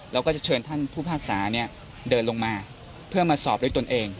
แล้วก็จะเชิญท่านผู้ภาคศาเนี่ยเดินลงมาเพื่อมาสอบโดยตนเอง